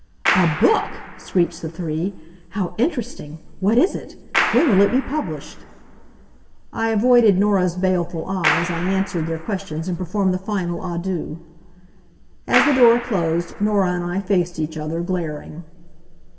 "A book!" screeched the three. "How interesting! What is it? When will it be published?" I avoided Norah's baleful eye as I answered their questions and performed the final adieux. As the door closed, Norah and I faced each other, glaring.